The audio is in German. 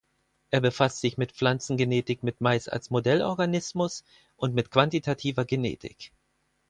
Er befasst sich mit Pflanzengenetik mit Mais als Modellorganismus und mit quantitativer Genetik.